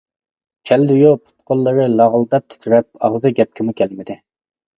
كەلدى يۇ، پۇت-قوللىرى لاغىلداپ تىترەپ، ئاغزى گەپكىمۇ كەلمىدى.